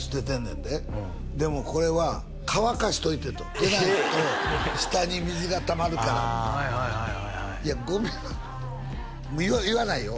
んででもこれは乾かしといてとでないと下に水がたまるからっていやゴミ箱言わないよ